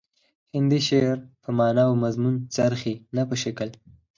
هندي شعر په معنا او مضمون څرخي نه په شکل